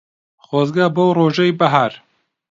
خۆزگە بەو ڕۆژەی بەهار